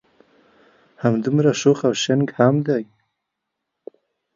همدمره شوخ او شنګ هم دی.